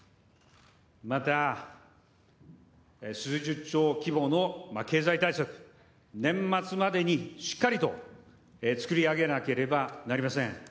また、数十兆規模の経済対策、年末までにしっかりと作り上げなければなりません。